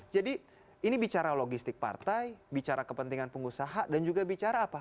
jadi ini bicara logistik partai bicara kepentingan pengusaha dan juga bicara apa